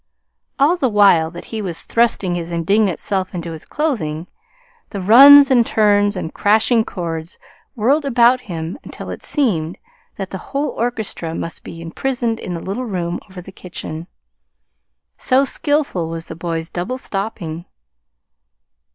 All the while that he was thrusting his indignant self into his clothing, the runs and turns and crashing chords whirled about him until it seemed that a whole orchestra must be imprisoned in the little room over the kitchen, so skillful was the boy's double stopping.